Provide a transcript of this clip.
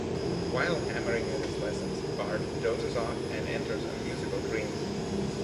While hammering at his lessons, Bart dozes off and enters a musical dream.